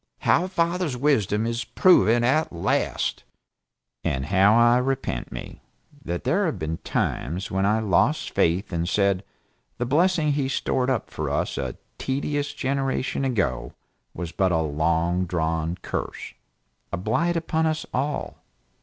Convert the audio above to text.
How father's Wisdom is proven at last! And how I repent me, that there have been times when I lost faith and said, the blessing he stored up for us a tedious generation ago was but a long drawn curse, a blight upon us all.